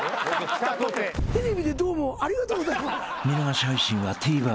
「テレビでどうもありがとうございます」